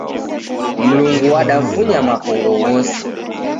Mlungu wadafunya makongo ghose.